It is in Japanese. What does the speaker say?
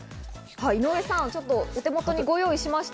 井上さん、お手元にご用意しました。